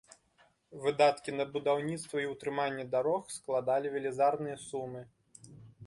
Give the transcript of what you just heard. Выдаткі на будаўніцтва і ўтрыманне дарог складалі велізарныя сумы.